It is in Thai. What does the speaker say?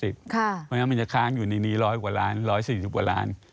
เพราะฉะนั้นมันจะค้างอยู่ในนี้๑๐๐กว่าล้าน๑๔๐กว่าล้าน